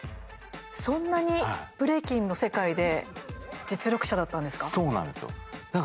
そんなにブレイキンの世界で実力者だったんですか？